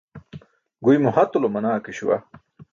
Guymo hatulo manaa ke śuwa.